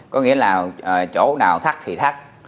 có nghĩa là chỗ nào thắt thì thắt